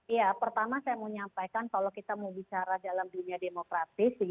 ya pertama saya mau nyampaikan kalau kita mau bicara dalam dunia demokratis